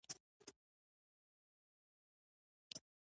چین له یوه مرکزي دولت څخه برخمن و.